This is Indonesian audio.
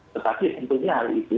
tetapi tentunya hal itu